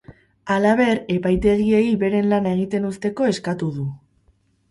Halaber, epaitegiei beren lana egiten uzteko eskatu du.